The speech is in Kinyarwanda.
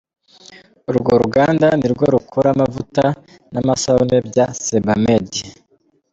Urwo ruganda ni rwo rukora amavuta n’amasabune bya Sebamed.